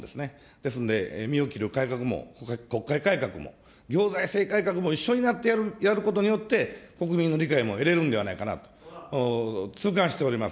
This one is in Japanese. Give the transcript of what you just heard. ですんで、身を切る改革も国会改革も、行財政改革も一緒になってやることによって、国民の理解も得れるんではないかなと、痛感しております。